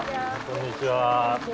こんにちは。